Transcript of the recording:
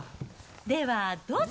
では、どうぞ。